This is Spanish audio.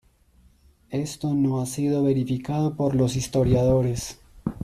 Esto no ha sido verificado por los historiadores.